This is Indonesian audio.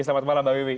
selamat malam mbak wiwi